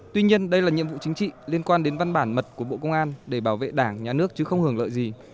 tuy nhiên đây là nhiệm vụ chính trị liên quan đến văn bản mật của bộ công an để bảo vệ đảng nhà nước chứ không hưởng lợi gì